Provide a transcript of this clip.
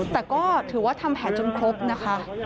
แต่ก็ถือว่าทำแผนจนครบนะคะ